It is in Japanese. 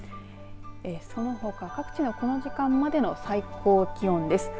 そのほか各地のこの時間までの最高気温です。